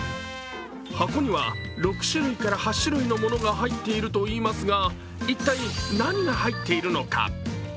箱には６種類から８種類のものが入っているといいますが一体、何が入っているのか。